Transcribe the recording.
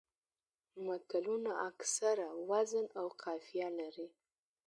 متلونه اکثره وزن او قافیه لري